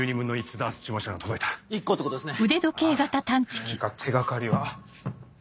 何か手掛かりは。